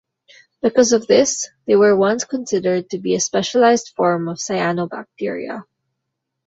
Because of this, they were once considered to be a specialized form of cyanobacteria.